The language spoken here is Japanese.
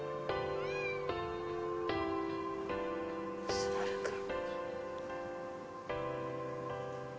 昴くん？